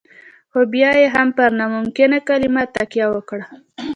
خو بيا يې هم پر ناممکن کلمه تکيه وکړه.